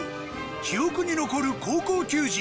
記憶に残る高校球児